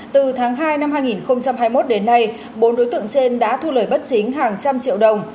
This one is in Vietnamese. từ tháng hai năm hai nghìn hai mươi một đến nay bốn đối tượng trên đã thu lời bất chính hàng trăm triệu đồng